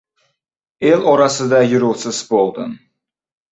El orasida yuruvsiz bo‘ldim.